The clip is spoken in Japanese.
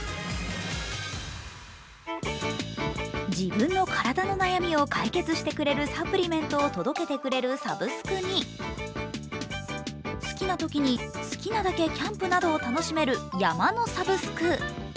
自分の体の悩みを解決してくれるサプリメントを届けてくれるサブスクに、好きなときに好きなだけキャンプなどを楽しめる山のサブスク。